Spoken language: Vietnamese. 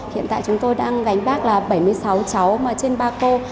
hiện tại chúng tôi đang gánh bác là bảy mươi sáu cháu mà trên ba cô